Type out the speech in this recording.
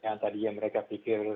yang tadi yang mereka pikir